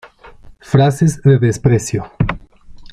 Frases de Desprecio